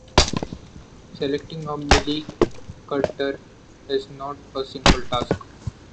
Selecting a milling cutter is not a simple task.